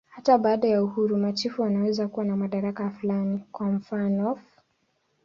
Hata baada ya uhuru, machifu wanaweza kuwa na madaraka fulani, kwa mfanof.